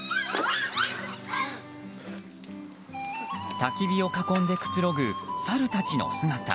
たき火を囲んでくつろぐサルたちの姿。